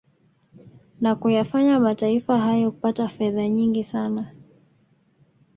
Na kuyafanya mataifa hayo kupata fedha nyingi sana